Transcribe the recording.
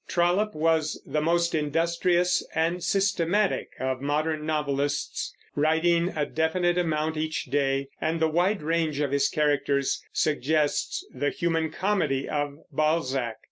Trollope was the most industrious and systematic of modern novelists, writing a definite amount each day, and the wide range of his characters suggests the Human Comedy of Balzac.